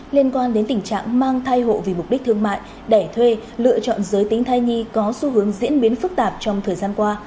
liên quan đến tình trạng mang thai hộ vì mục đích thương mại đẻ thuê lựa chọn giới tính thai nhi có xu hướng diễn biến phức tạp trong thời gian qua